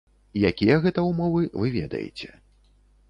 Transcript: Якія гэта ўмовы, вы ведаеце.